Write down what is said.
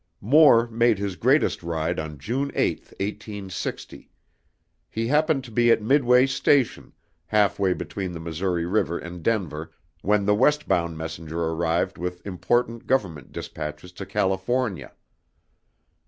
Moore made his greatest ride on June 8, 1860. He happened to be at Midway Station, half way between the Missouri River and Denver, when the west bound messenger arrived with important Government dispatches to California.